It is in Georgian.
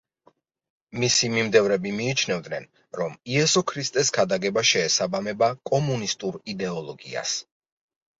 მისი მიმდევრები მიიჩნევენ, რომ იესო ქრისტეს ქადაგება შეესაბამება კომუნისტურ იდეოლოგიას.